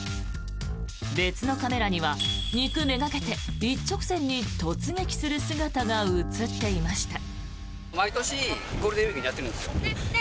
別のカメラには肉めがけて一直線に突撃する姿が映っていました。